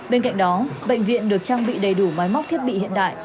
bên cạnh đó bệnh viện được trang bị đầy đủ máy móc thiết bị hiện đại